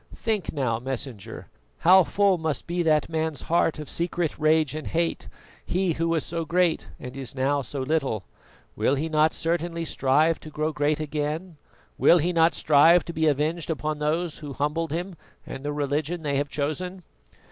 Think now, Messenger, how full must be that man's heart of secret rage and hatred, he who was so great and is now so little! Will he not certainly strive to grow great again? Will he not strive to be avenged upon those who humbled him and the religion they have chosen?"